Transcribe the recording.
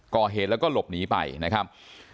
ก่อเหตุแล้วก็หลบหนีไปนะครับ